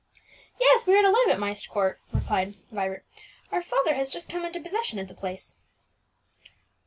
"Yes, we are to live at Myst Court," replied Vibert. "Our father has just come into possession of the place."